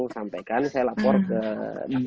sampaikan saya laporkan ke